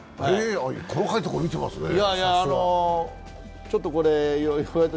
細かいところ見てますね、さすが。